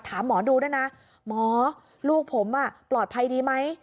ถามหมอดูด้วยนะหมอลูกผมปลอดภัยดีไหม